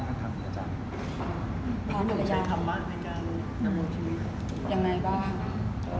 ยังไงบ้าง